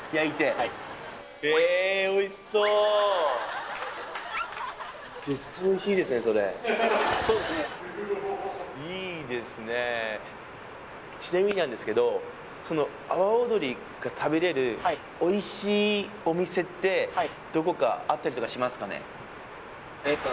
はいへえちなみになんですけどその阿波尾鶏が食べれるおいしいお店ってどこかあったりとかしますかね？